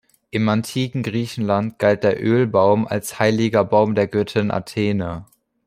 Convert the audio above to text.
Im antiken Griechenland galt der Ölbaum als heiliger Baum der Göttin Athene.